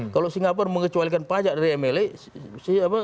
kalau singapura mengecualikan pajak dari mla